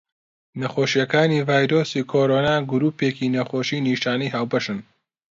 نەخۆشیەکانی ڤایرۆسی کۆڕۆنا گرووپێکی نەخۆشی نیشانەی هاوبەشن.